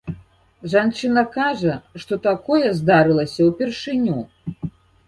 Жанчына кажа, што такое здарылася ўпершыню.